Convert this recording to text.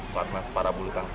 pelatnas para bulu tangkis